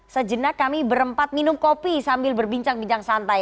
sejenak kami berempat minum kopi sambil menangkapnya